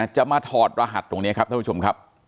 จะมาถอดรหัสตรงนี้ครับท่านผู้ชมครับ